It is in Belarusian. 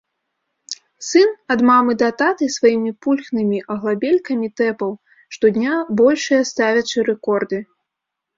Сын ад мамы да таты сваімі пульхнымі аглабелькамі тэпаў, штодня большыя ставячы рэкорды.